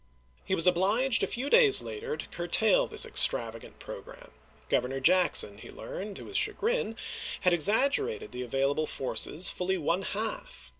He was obliged a few days later to curtail this extravagant programme. Governor Jackson, he learned, to his chagrin, had exaggerated the avail able forces f uUy one half